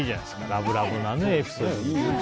ラブラブなエピソード。